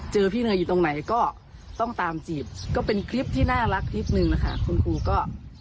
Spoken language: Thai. พี่เนยอยู่ตรงไหนก็ต้องตามจีบก็เป็นคลิปที่น่ารักคลิปหนึ่งนะคะคุณครูก็